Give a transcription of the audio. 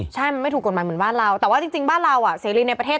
ใช่มันไม่ถูกกฎหมายเหมือนบ้านเราแต่ว่าจริงบ้านเราอ่ะเสรีในประเทศ